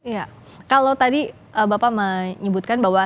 ya kalau tadi bapak menyebutkan bahwa